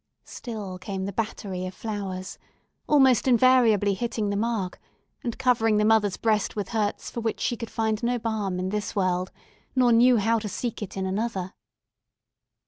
Still came the battery of flowers, almost invariably hitting the mark, and covering the mother's breast with hurts for which she could find no balm in this world, nor knew how to seek it in another.